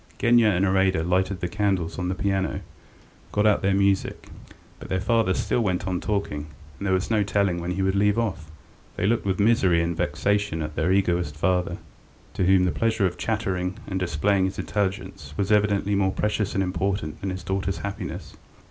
Genya and Iraida lighted the candles on the piano, got out their music. ... But their father still went on talking, and there was no telling when he would leave off. They looked with misery and vexation at their egoist father, to whom the pleasure of chattering and displaying his intelligence was evidently more precious and important than his daughters' happiness.